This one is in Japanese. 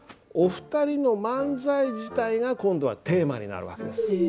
お二人の漫才自体が今度はテーマになる訳です。